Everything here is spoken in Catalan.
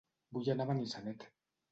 Vull anar a Benissanet